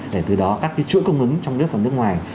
để từ đó các chuỗi cung ứng trong nước và nước ngoài